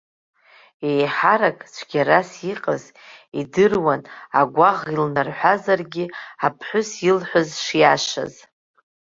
Еиҳарак цәгьарас иҟаз, идыруан, агәаӷ илнарҳәазаргьы, аԥҳәыс илҳәаз шиашаз.